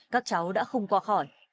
các cháu đã không qua khỏi